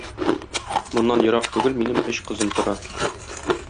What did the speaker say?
Моннан ерак түгел минем өч кызым тора.